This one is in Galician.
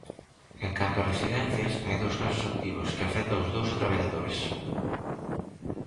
En canto a residencias, hai dous casos activos, que afecta os dous a traballadores.